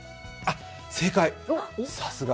正解、さすが。